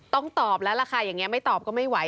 ต้องตอบแล้วล่ะค่ะอย่างนี้ไม่ตอบก็ไม่ไหว